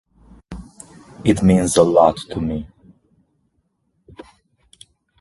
It means a lot to me.